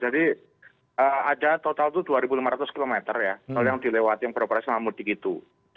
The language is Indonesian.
jadi ada total itu dua lima ratus km ya kalau yang dilewati yang beroperasi mahmud di gitu